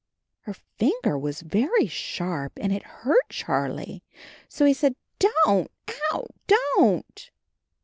Her finger was very sharp, and it hurt Charlie, so he said, "Don't. O w! Don't."